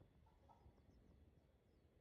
斡特懒返还回家。